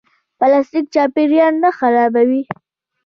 پلاستیک چاپیریال نه خرابوي